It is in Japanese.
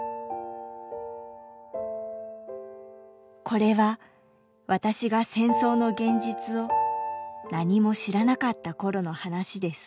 これは私が戦争の現実を何も知らなかった頃の話です